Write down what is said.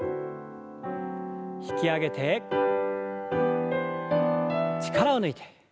引き上げて力を抜いて。